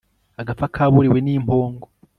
agapfa kabuliwe ni impongo